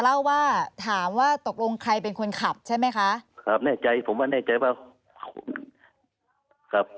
เค้าบอกเราใช่ไหมว่า